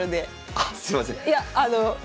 あっすいません。